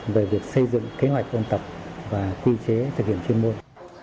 về việc xây dựng kế hoạch ôn tập và quy chế thực hiện chuyên môn